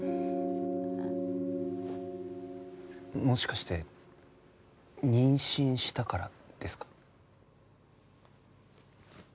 もしかして妊娠したからですか？